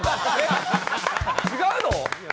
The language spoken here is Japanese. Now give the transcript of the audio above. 違うの？